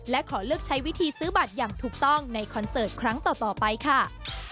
และขอเลือกใช้วิธีซื้อบัตรอย่างถูกต้องในคอนเสิร์ตครั้งต่อไปค่ะ